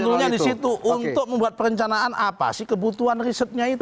sebetulnya di situ untuk membuat perencanaan apa sih kebutuhan risetnya itu